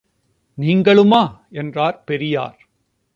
நீங்களுமா? என்றார் பெரியார்.